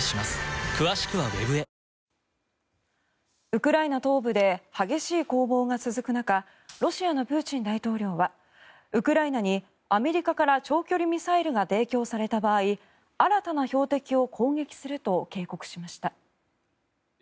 ウクライナ東部で激しい攻防が続く中ロシアのプーチン大統領はウクライナにアメリカから長距離ミサイルが提供された場合新たな標的を攻撃すると警告しました。